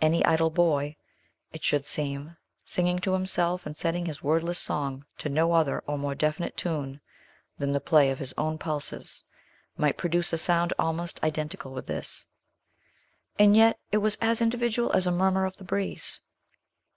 Any idle boy, it should seem, singing to himself and setting his wordless song to no other or more definite tune than the play of his own pulses, might produce a sound almost identical with this; and yet, it was as individual as a murmur of the breeze.